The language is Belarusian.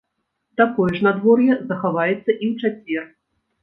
Такое ж надвор'е захаваецца і ў чацвер.